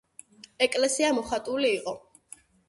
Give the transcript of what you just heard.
ეკლესია მოხატული იყო.